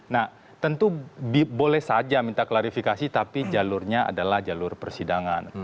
nah tentu boleh saja minta klarifikasi tapi jalurnya adalah jalur persidangan